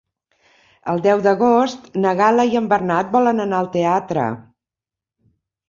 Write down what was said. El deu d'agost na Gal·la i en Bernat volen anar al teatre.